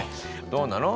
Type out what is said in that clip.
どうなの？